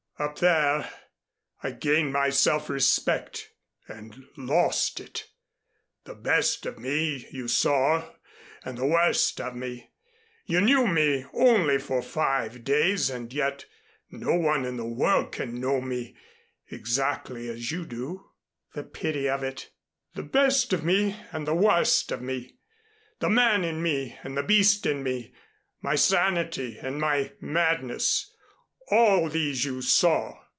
Up there I gained my self respect and lost it. The best of me you saw and the worst of me. You knew me only for five days and yet no one in the world can know me exactly as you do." "The pity of it " "The best of me and the worst of me, the man in me and the beast in me, my sanity and my madness. All these you saw.